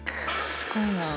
すごいな。